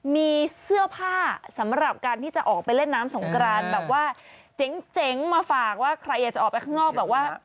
มีเสื้อผ้าสำหรับการที่จะออกไปเล่นน้ำสงกรานแบบว่าเจ๋งมาฝากว่าใครอยากจะออกไปข้างนอกแบบว่า